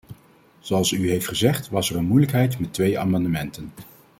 Zoals u heeft gezegd was er een moeilijkheid met twee amendementen.